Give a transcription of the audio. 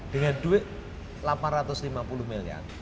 dengan duit delapan ratus lima puluh miliar